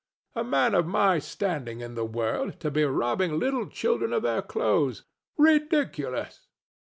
A man of my standing in the world to be robbing little children of their clothes! Ridiculous!"